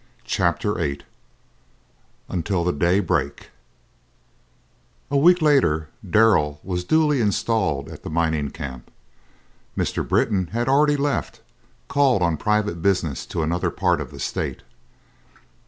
Chapter VIII "UNTIL THE DAY BREAK" A week later Darrell was duly installed at the mining camp. Mr. Britton had already left, called on private business to another part of the State.